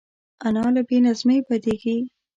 انا له بې نظمۍ بدېږي